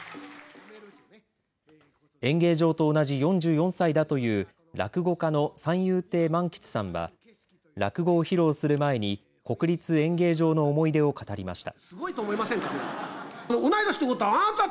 演芸場と同じ４４歳だという落語家の三遊亭萬橘さんは落語を披露する前に国立演芸場の思い出を語りました。